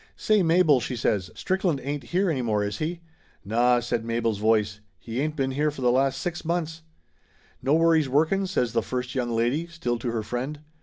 "Say, Mabel!" she says. "Strickland ain't here any more, is he?" "Naw !" said Mabel's voice. "He ain't been here for the last six months." "Know where he's workin'?" says the first young lady, still to her friend.